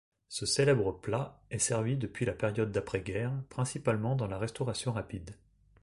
Ce célèbre plat est servi depuis la période d’après-guerre, principalement dans la restauration rapide.